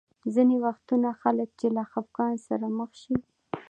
ځینې وختونه خلک چې له خفګان سره مخ شي.